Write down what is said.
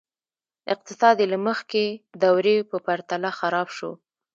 اقتصاد یې له مخکې دورې په پرتله خراب شو.